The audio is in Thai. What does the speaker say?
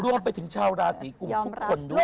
รวมไปถึงชาวราศีกุมทุกคนด้วย